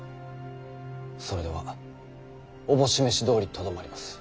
それでは思し召しどおりとどまります。